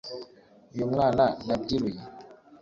uyu mwana nabyiruye